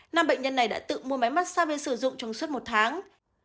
nam bệnh nhân này đã tự mua máy mát xa về sử dụng trong suốt một tháng